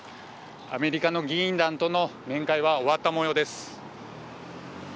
アメリカの議員団との面会は終わったもようです。